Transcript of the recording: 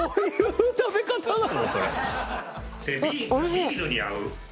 ビールに合う。